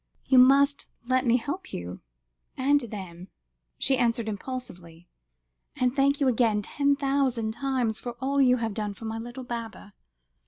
"You must let me help you, and them," she answered impulsively; "and thank you again ten thousand times, for all you have done for my little Baba."